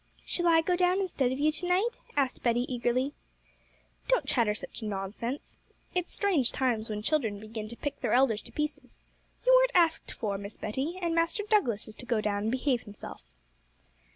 'Shall I go down instead of you to night?' asked Betty eagerly. 'Don't chatter such nonsense; it's strange times when children begin to pick their elders to pieces. You weren't asked for, Miss Betty; and Master Douglas is to go down and behave himself.'